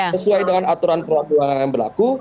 sesuai dengan aturan peraturan yang berlaku